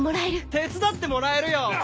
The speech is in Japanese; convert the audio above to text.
手伝ってもらえるよ。